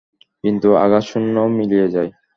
কিন্তু আঘাত শূন্যে মিলিয়ে যায়।